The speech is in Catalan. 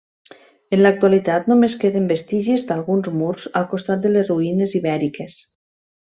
En l'actualitat només queden vestigis d'alguns murs, al costat de les ruïnes ibèriques.